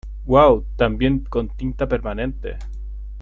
¡ Uau! ¡ también con tinta permanente !